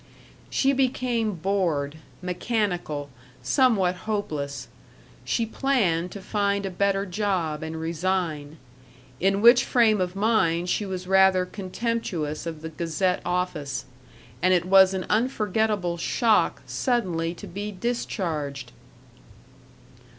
She became bored, mechanical, somewhat hopeless. She planned to find a better job and resign. In which frame of mind she was rather contemptuous of the Gazette office; and it was an unforgettable shock suddenly to be discharged.